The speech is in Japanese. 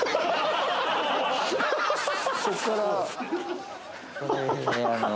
そっから。